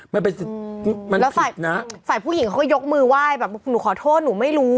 มันเป็นศึกแล้วฝ่ายผู้หญิงเขาก็ยกมือไหว้แบบหนูขอโทษหนูไม่รู้